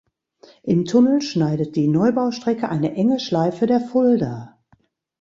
Im Tunnel schneidet die Neubaustrecke eine enge Schleife der Fulda.